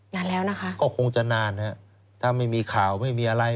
นานแล้วนะคะก็คงจะนานฮะถ้าไม่มีข่าวไม่มีอะไร